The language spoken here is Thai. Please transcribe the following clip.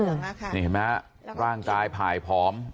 นี่เห็นไหมฮะร่างกายผ่ายผอม